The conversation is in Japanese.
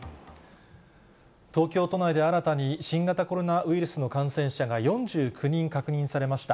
東京都内で新たに、新型コロナウイルスの感染者が４９人確認されました。